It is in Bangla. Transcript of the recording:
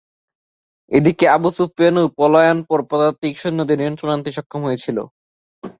এদিকে আবু সুফিয়ানও পলায়নপর পদাতিক সৈন্যদের নিয়ন্ত্রণে আনতে সক্ষম হয়েছিল।